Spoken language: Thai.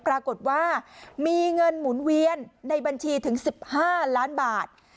ปรากฏว่ามีเงินหมุนเวียนในบัญชีถึง๑๕ล้านบาท